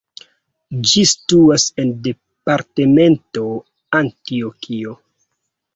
Ĝi situas en departemento Antjokio.